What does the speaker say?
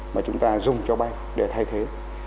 mà chúng ta dùng cho bay để thay thế